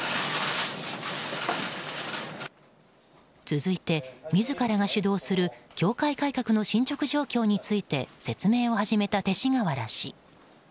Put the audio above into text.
続いて、自らが主導する教会改革の進捗状況について説明を始めた勅使河原氏。